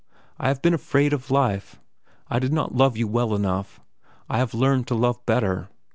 I have been afraid of life. I did not love you well enough. I have learned to love better.